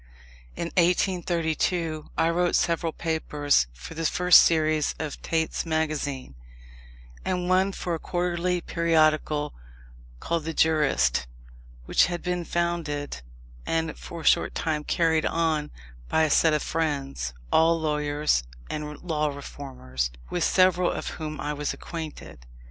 In 1832 I wrote several papers for the first series of Tait's Magazine, and one for a quarterly periodical called the Jurist, which had been founded, and for a short time carried on, by a set of friends, all lawyers and law reformers, with several of whom I was acquainted.